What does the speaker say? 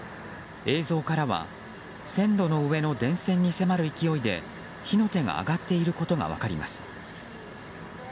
映像からは線路の上の電線に迫る勢いで火の手が上がっていることが分かります。